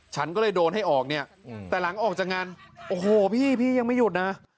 ฉันก็เลยโดนให้ออกเนี่ยแต่หลังออกจากงานโอ้โหพี่พี่ยังไม่หยุดนะ